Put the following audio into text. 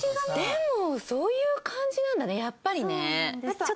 でもそういう感じなんだねやっぱりね。